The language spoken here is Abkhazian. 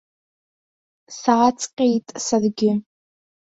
Сааҵҟьеит саргьы.